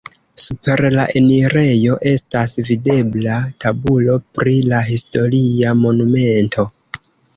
Super la enirejo estas videbla tabulo pri la historia monumento.